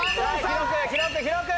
広く広く！